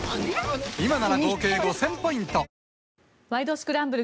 スクランブル」